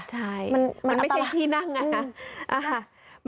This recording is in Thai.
ใช่มันไม่ใช่ที่นั่งนะคะ